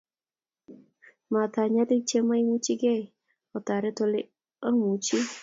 matonyalil che maimuchigei, otoret ole omuchi